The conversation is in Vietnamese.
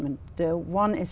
và nó rất đẹp